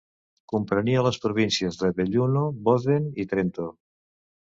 Comprenia les províncies de Belluno, Bozen i Trento.